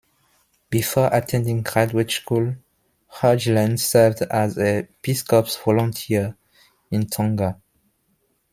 Before attending graduate school Haugeland served as a Peace Corps volunteer in Tonga.